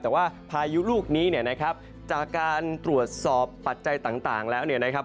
แต่ว่าพายุลูกนี้เนี่ยนะครับจากการตรวจสอบปัจจัยต่างแล้วเนี่ยนะครับ